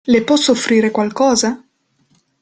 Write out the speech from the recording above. Le posso offrire qualcosa?